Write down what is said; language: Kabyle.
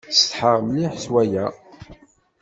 Ssetḥaɣ mliḥ s waya.